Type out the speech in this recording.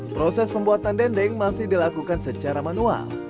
proses pembuatan dendeng masih dilakukan secara manual